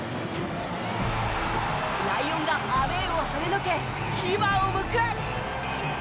ライオンがアウェーをはねのけ牙をむく。